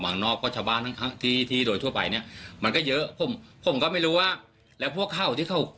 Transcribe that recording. มันก็เยอะพวกมันก็ไม่รู้อ่ะและพวกเขาที่เข้า